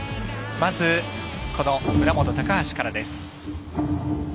まず、村元、高橋からです。